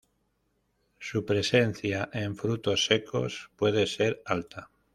Su presencia en frutos secos puede ser alta.